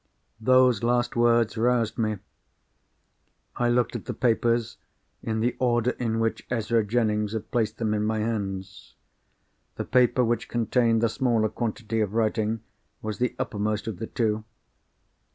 Those last words roused me. I looked at the papers, in the order in which Ezra Jennings had placed them in my hands. The paper which contained the smaller quantity of writing was the uppermost of the two.